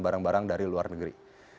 barang barang dari luar negeri